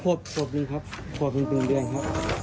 ขอบคุณนะคะน้องกี่เดือนแหละคะ